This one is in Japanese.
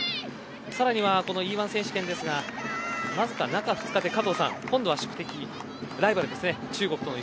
さらに、このＥ‐１選手権ですがわずか、中２日で今度は宿敵、ライバルですね。